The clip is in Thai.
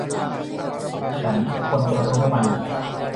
ฉันควรจะรู้มัน